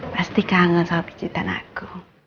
pasti kangen soal pijitan aku